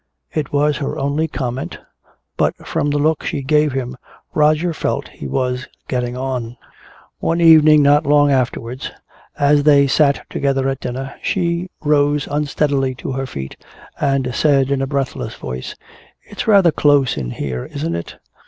It was her only comment, but from the look she gave him Roger felt he was getting on. One evening not long afterwards, as they sat together at dinner, she rose unsteadily to her feet and said in a breathless voice, "It's rather close in here, isn't it?